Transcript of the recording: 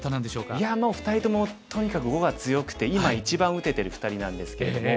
いやもう２人ともとにかく碁が強くて今一番打ててる２人なんですけれども。